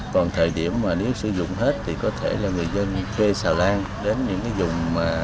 còn thời điểm nếu sử dụng hết thì có thể là người dân thuê xào lan đến những dùng